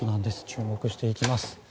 注目していきます。